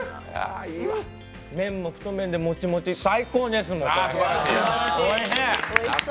麺も太麺でもちもち最高です！